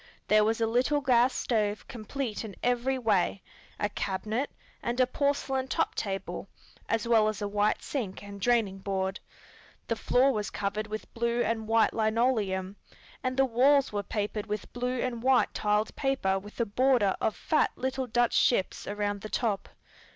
There was a little gas stove complete in every way, a cabinet, and a porcelain top table, as well as a white sink and draining board. The floor was covered with blue and white linoleum, and the walls were papered with blue and white tiled paper with a border of fat little Dutch ships around the top.